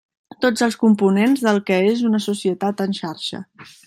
Tots els components del que és una societat en xarxa.